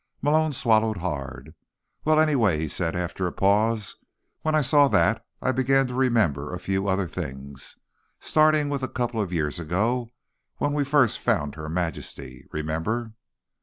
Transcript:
Malone swallowed hard. "Well, anyway," he said after a pause, "when I saw that I began to remember a few other things. Starting with a couple of years ago, when we first found Her Majesty, remember?"